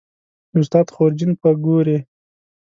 د استاد خورجین به ګورې